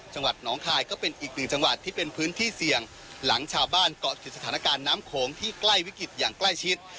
น้องคายก็เป็นอีกหนึ่งจังหวัดที่เป็นพื้นที่เสี่ยงหลังชาวบ้านเกาะติดสถานการณ์น้ำโขงที่ใกล้วิกฤตอย่างใกล้ชิด